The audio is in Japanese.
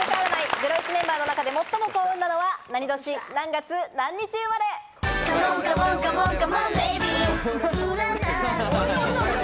『ゼロイチ』メンバーの中で最も幸運なのは何年、何月、何日生まれ？ＯＫ！